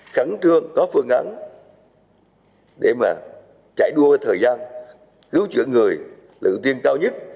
khẳng trương có phương án để mà chạy đua thời gian cứu chữa người lựa tiên cao nhất